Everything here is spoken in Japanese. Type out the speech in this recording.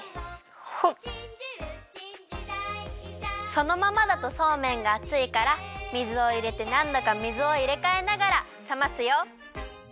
そのままだとそうめんがあついから水をいれてなんどか水をいれかえながらさますよ。